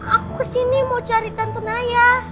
aku kesini mau cari tante naya